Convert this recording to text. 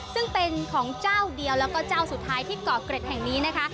ซึ่งเป็นของเจ้าเดียวแล้วก็เจ้าสุดท้ายที่เกาะเกร็ดแห่งนี้นะคะ